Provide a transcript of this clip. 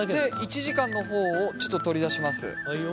１時間の方をちょっと取り出します。